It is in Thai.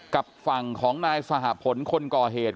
กับฝั่งของนายสหพลคนก่อเหตุ